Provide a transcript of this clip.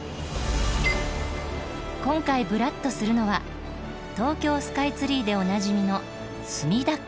今回ブラッとするのは東京スカイツリーでおなじみの墨田区。